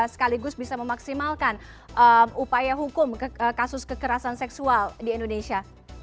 sekaligus bisa memaksimalkan upaya hukum kasus kekerasan seksual di indonesia